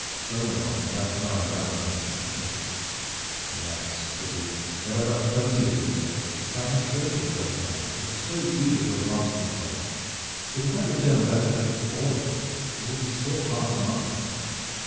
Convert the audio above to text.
Beaumanoir ran his eye round and shook his head. "Alas!" said he, "there are but twenty of you here, and I have thirty at Josselin who are so eager to advance themselves that if I return without hope for all of them there will be sore hearts amongst them.